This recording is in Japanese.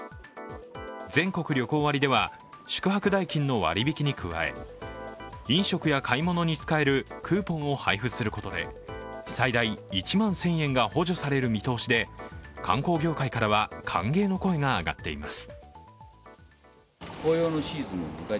全国旅行割では、宿泊代金の割引きに加え飲食や買い物に使えるクーポンを配布することで最大１万１０００円が補助される見通しで観光業界からは歓迎の声が上がっています。